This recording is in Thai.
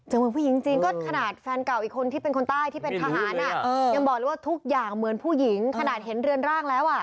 เหมือนผู้หญิงจริงก็ขนาดแฟนเก่าอีกคนที่เป็นคนใต้ที่เป็นทหารยังบอกเลยว่าทุกอย่างเหมือนผู้หญิงขนาดเห็นเรือนร่างแล้วอ่ะ